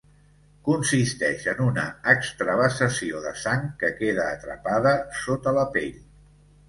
Consisteix en una extravasació de sang que queda atrapada sota la pell.